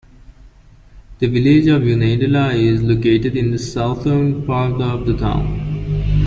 The Village of Unadilla is located in the southern part of the town.